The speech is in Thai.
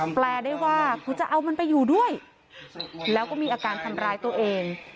แปลได้ว่ากูจะเอามันไปอยู่ด้วยแล้วก็มีอาการทำร้ายตัวเอง